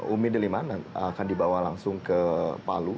umi deliman akan dibawa langsung ke palu